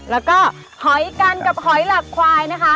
แล้วก็หอยกันกับหอยหลักควายนะคะ